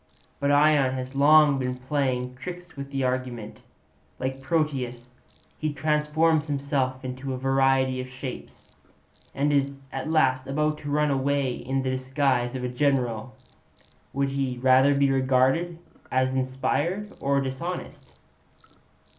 But Ion has long been playing tricks with the argument; like Proteus, he transforms himself into a variety of shapes, and is at last about to run away in the disguise of a general. Would he rather be regarded as inspired or dishonest?'